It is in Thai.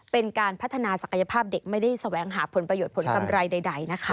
เป็นการพัฒนาศักยภาพเด็กไม่ได้แสวงหาผลประโยชน์ผลกำไรใดนะคะ